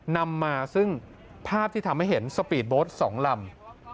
นำมาซึ่งภาพที่ทำให้เห็นสปีดโบสต์๒ลำ